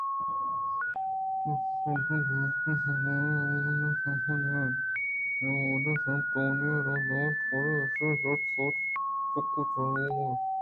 سر تو اتھارٹی ءَ سرکاری راہ ءُرَہبنداں سر پد نئے اے وہدءَ سارڈونی اد ءَ نہ اِنت بلئے ایشیءِ جست ءُپرس ءُچِکّ ءُتان بوئگ ءَ اِنت